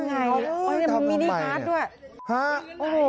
ยังไงมันมีนิฮาร์ดด้วย